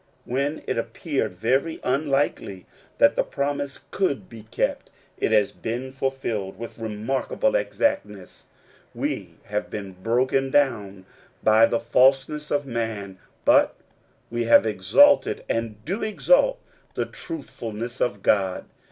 When it appeared very unlikely that the promise could be kept, it has been fulfilled with remarkable exactness. We have been broken down by the falseness of man, but we have exulted and do exult in the truthfulness of God.